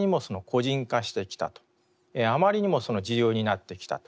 あまりにも自由になってきたと。